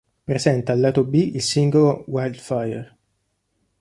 Presenta al lato B il singolo "Wildfire".